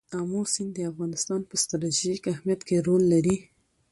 آمو سیند د افغانستان په ستراتیژیک اهمیت کې رول لري.